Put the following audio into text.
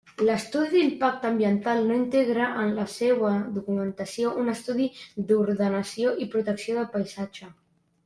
L'estudi d'impacte ambiental no integra en la seua documentació un estudi d'ordenació i protecció del paisatge.